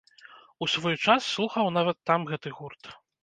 У свой час слухаў нават там гэты гурт.